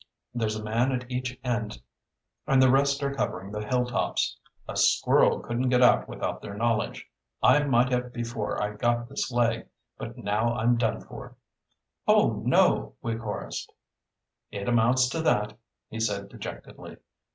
There's a man at each end and the rest are covering the hilltops. A squirrel couldn't get out without their knowledge. I might have before I got this leg, but now I'm done for." "Oh, no!" we chorused. "It amounts to that," he said dejectedly.